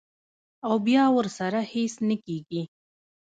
او بیا ورسره هېڅ نۀ کيږي -